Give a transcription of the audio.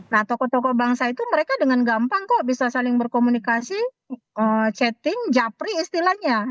nah tokoh tokoh bangsa itu mereka dengan gampang kok bisa saling berkomunikasi chatting japri istilahnya